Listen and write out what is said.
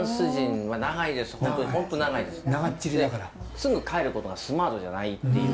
すぐ帰ることがスマートじゃないっていう